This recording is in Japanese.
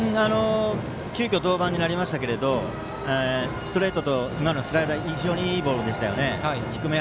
急きょ登板になりましたがストレートとスライダーが非常にいいボールでした。